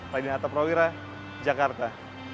pak idina ataprawira jakarta